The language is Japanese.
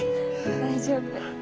大丈夫。